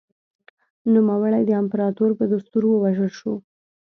نوموړی د امپراتور په دستور ووژل شو